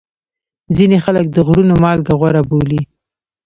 ځینې خلک د غرونو مالګه غوره بولي.